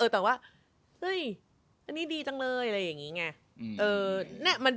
แต่ว่าเฮ้ยอันนี้ดีจังเลยอะไรอย่างนี้ไง